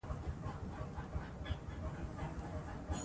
د پوهنتونونو د پرمختګ لپاره ځوانان هڅي کوي.